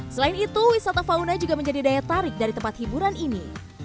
selain itu wisata fauna juga menjadi daya tarik dari tempat hiburan ini